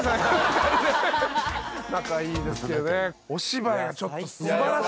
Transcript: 仲いいですけどね。